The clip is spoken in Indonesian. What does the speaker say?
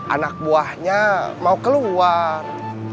anak buahnya mau keluar